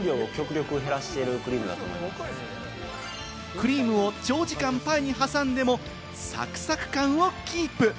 クリームを長時間パイに挟んでも、サクサク感をキープ。